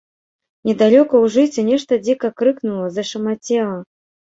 Недалёка ў жыце нешта дзіка крыкнула, зашамацела.